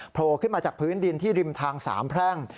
โผล่ขึ้นมาจากพื้นดินที่ริมทางสามแพร่ง